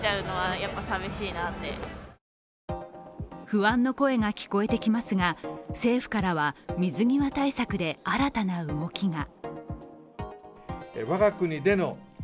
不安の声が聞こえてきますが政府からは水際対策で新たな動きが。